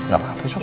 gak apa apa itu oke